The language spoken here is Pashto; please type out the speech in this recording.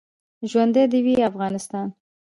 ژوندی دې وي افغانستان.